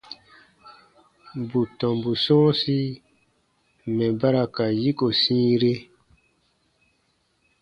Bù tɔmbu sɔ̃ɔsi mɛ̀ ba ra ka yiko sĩire.